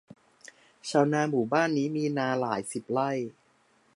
ชาวนาหมู่บ้านนี้มีนาหลายสิบไร่